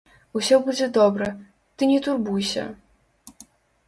Усё будзе добра, ты не турбуйся.